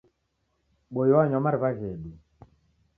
Boi wanywa mariw'a ghedu.